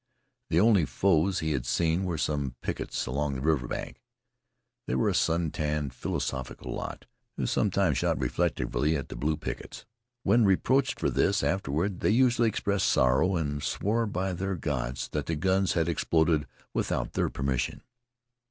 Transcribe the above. The only foes he had seen were some pickets along the river bank. They were a sun tanned, philosophical lot, who sometimes shot reflectively at the blue pickets. When reproached for this afterward, they usually expressed sorrow, and swore by their gods that the guns had exploded without their permission.